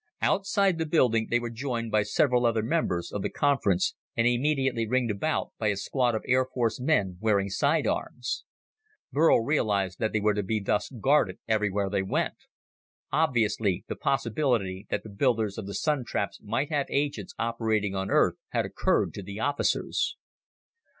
Outside the building they were joined by several other members of the conference and immediately ringed about by a squad of Air Force men wearing sidearms. Burl realized that they were to be thus guarded everywhere they went. Obviously, the possibility that the builders of the Sun traps might have agents operating on Earth had occurred to the officers.